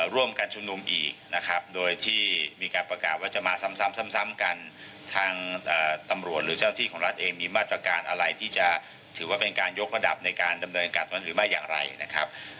ร่วมกันชุมนุมอีกนะครับโดยที่มีการประกาศว่าจะมาซ้ำซ้ำกันทางตำรวจหรือเจ้าที่ของรัฐเองมีมาตรการอะไรที่จะถือว่าเป็นการยกระดับในการดำเนินการนั้นหรือไม่อย่างไรนะครับ